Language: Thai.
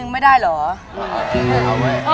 ไม่รัก